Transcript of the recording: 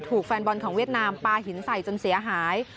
แฟนบอลของเวียดนามปลาหินใส่จนเสียหาย